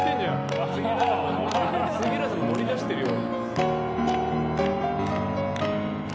杉浦さんも乗りだしてるよ。